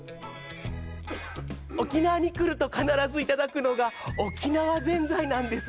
沖縄に来ると必ずいただくのが沖縄ぜんざいなんです。